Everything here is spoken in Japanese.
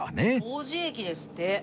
王子駅ですって。